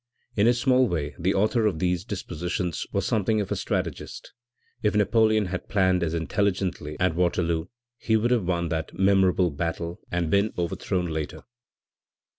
In his small way the author of these dispositions was something of a strategist; if Napoleon had planned as intelligently at Waterloo he would have won that memorable battle and been overthrown later.